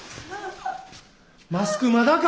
マスクまだか！